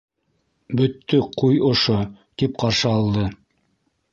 Бөттөк ҡуй ошо, — тип ҡаршы алды.